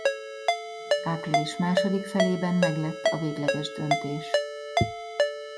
Április második felében meglett a végleges döntés.